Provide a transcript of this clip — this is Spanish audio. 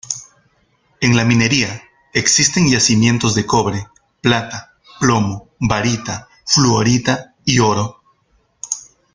En la minería existen yacimientos de cobre, plata, plomo, barita, fluorita y oro.